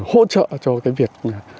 hỗ trợ cho cái việc